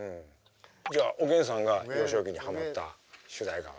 じゃあおげんさんが幼少期にハマった主題歌は？